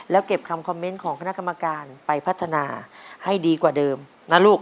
แล้วเก็บคำคอมเมนต์ของคณะกรรมการไปพัฒนาให้ดีกว่าเดิมนะลูก